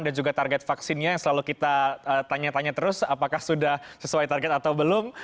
dan juga target vaksinnya yang selalu kita tanya tanya terus apakah sudah sesuai target atau belum